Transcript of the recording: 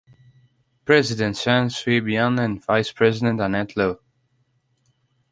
President Chen Shui-bian and Vice President Annette Lu.